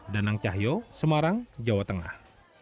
dengan harga rp empat belas per liter